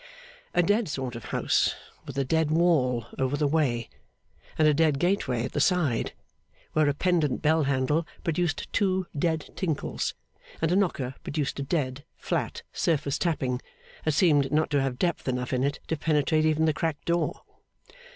A dead sort of house, with a dead wall over the way and a dead gateway at the side, where a pendant bell handle produced two dead tinkles, and a knocker produced a dead, flat, surface tapping, that seemed not to have depth enough in it to penetrate even the cracked door.